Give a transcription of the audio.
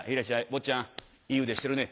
坊ちゃんいい腕してるね」